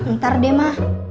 ntar deh ma